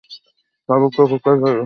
চাবিটা কোথায় পেলে, ওর চেন থেকে?